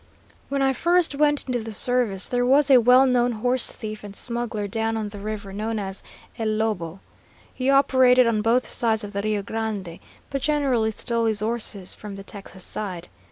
When I first went into the service, there was a well known horse thief and smuggler down on the river, known as El Lobo. He operated on both sides of the Rio Grande, but generally stole his horses from the Texas side.